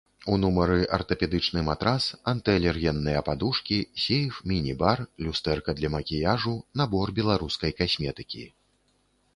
У нумары артапедычны матрац, анты-алергенныя падушкі, сейф, міні-бар, люстэрка для макіяжу, набор беларускай касметыкі.